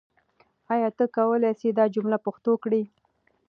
آیا ته کولای سې دا جمله پښتو کړې؟